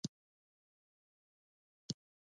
مهرباني د انساني اړیکو زړه دی.